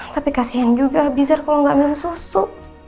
tapi kasian juga bizar kalau nggak minum susu